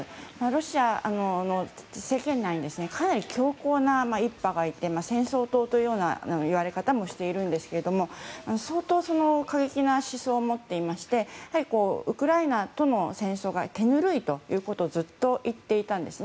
ロシアの政権内にかなり強硬な一派がいて戦争党という言われ方もしているんですけど相当、過激な思想を持っていてウクライナとの戦争が手ぬるいということをずっと言っていたんです。